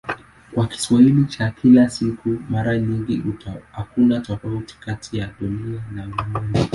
Kwa Kiswahili cha kila siku mara nyingi hakuna tofauti kati ya "Dunia" na "ulimwengu".